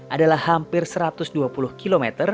adalah hampir satu ratus dua puluh km